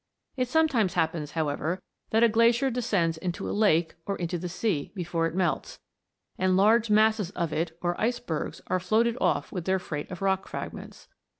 It sometimes happens, however, that a glacier descends into a lake, or into the sea, before it melts, and large masses of it, or icebergs, are floated off with their freight of rock fragments.